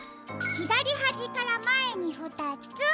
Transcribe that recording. ひだりはじからまえにふたつ。